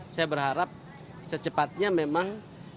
saya berharap secepatnya memang